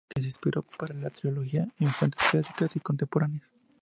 Collins dice que se inspiró para la trilogía, en fuentes clásicas y contemporáneas.